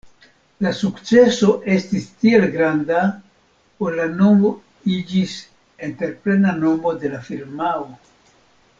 La sukceso estis tiel granda ol la nomo iĝis entreprena nomo de la firmao.